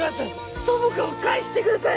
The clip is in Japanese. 友果を返してください！